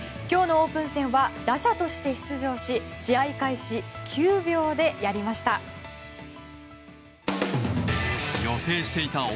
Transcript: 今日のオープン戦は打者として出場し試合開始９秒でやりました。